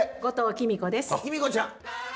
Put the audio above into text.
きみ子ちゃん。